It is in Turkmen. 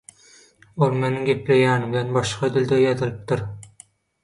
Ol meniň gepleýänimden başga dilde ýazylypdyr.